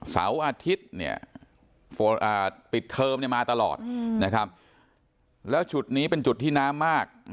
เสาร์อาทิตย์ปิดเทอมมาตลอดนะครับแล้วจุดนี้เป็นจุดที่น้ำมาก